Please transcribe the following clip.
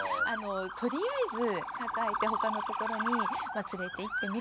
とりあえず抱えて他のところに連れていってみるとか。